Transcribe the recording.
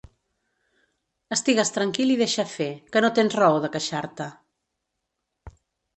Estigues tranquil i deixa fer, que no tens raó de queixar-te.